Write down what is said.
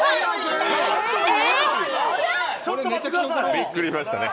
びっくりしましたね。